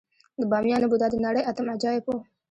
د بامیانو بودا د نړۍ اتم عجایب و